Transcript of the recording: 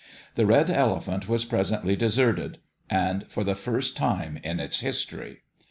The Red Elephant was presently deserted and for the first time in its history.